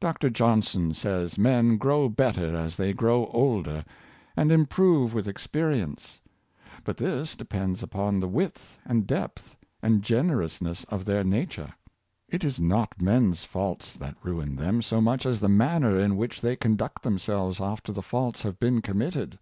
Dr. Johnson says men grow better as they grow older, and improve with ex perience; but this depends upon the width and depth and generousness of their nature. It is not men's faults that ruin them so much as the manner in which they conduct themselves after the faults have been committed.